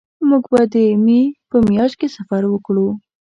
مونږ به د مې په میاشت کې سفر وکړو